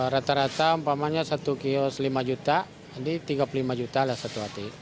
rata rata satu kios rp lima juta jadi rp tiga puluh lima juta satu hari